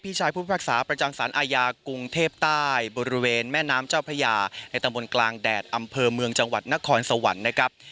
ชายผู้พิพากษาประจำสารอาญากรุงเทพใต้บริเวณแม่น้ำเจ้าพระยาในตำบลกลางแดดอำเภอเมืองจังหวัดนครสวรรค์นะครับ